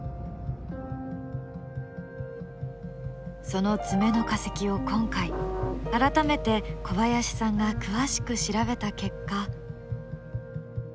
その爪の化石を今回改めて小林さんが詳しく調べた結果。